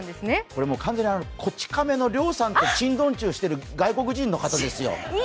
これは完全に「こち亀」の両さんと珍道中している外国人の方ですよ。